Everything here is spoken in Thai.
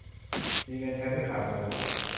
มีเงินใช้ไม่ขาดมือ